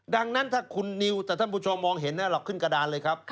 ดังนั้นถ้าคุณนิวแต่ท่านผู้ชมมองเห็นเราขึ้นกระดานเลยครับ